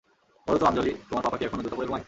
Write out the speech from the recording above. বলো তো আঞ্জলি, তোমার পাপা কি এখনো জুতা পরে ঘুমায়?